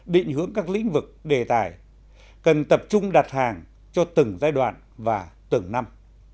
định hướng các lĩnh vực đề tài cần tập trung đặt hàng cho từng giai đoạn và từng năm